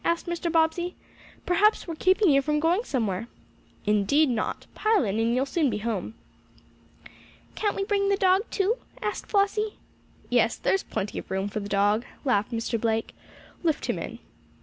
asked Mr. Bobbsey. "Perhaps we are keeping you from going somewhere." "Indeed not. Pile in, and you'll soon be home." "Can we bring the dog, too?" asked Flossie. "Yes, there's plenty of room for the dog," laughed Mr. Blake. "Lift him in."